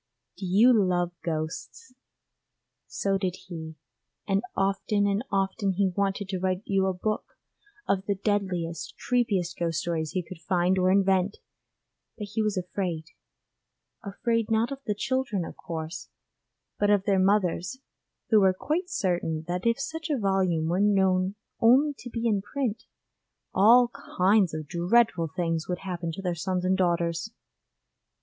Do you love ghosts? So did he, and often and often he wanted to write you a book of the deadliest, creepiest ghost stories he could find or invent, but he was afraid: afraid not of the children of course, but of their mothers, who were quite certain that if such a volume were known only to be in print, all kinds of dreadful things would happen to their sons and daughters.